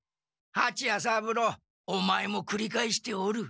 はちや三郎オマエもくり返しておる。